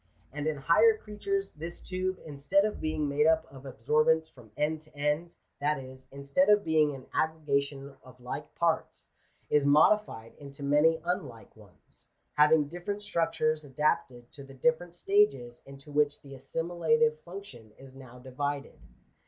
And in higher creatures, this tube, instead of being made up of absorbents from end to end — that is, instead of being an aggregation of like parts — is modified into many unlike ones, having different structures adapted to the different stages into which the assimilative function is now divided.